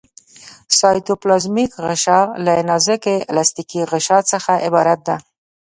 سایټوپلازمیک غشا له نازکې الستیکي غشا څخه عبارت ده.